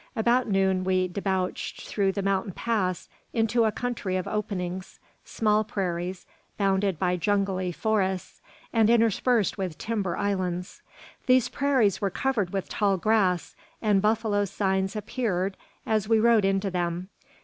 About noon we debouched through the mountain pass into a country of openings small prairies, bounded by jungly forests, and interspersed with timber islands. These prairies were covered with tall grass, and buffalo signs appeared as we rode into them.